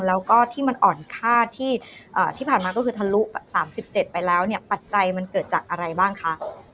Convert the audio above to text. แล้วก็ที่มันอ่อนค่าที่ผ่านมาก็คือทะลุ๓๗ไปแล้วเนี่ยปัจจัยมันเกิดจากอะไรบ้างคะ